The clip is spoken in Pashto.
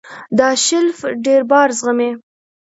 دا شیلف ډېر بار زغمي.